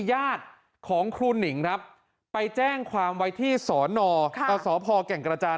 ญาติของครูหนิงครับไปแจ้งความไว้ที่สนสพแก่งกระจาน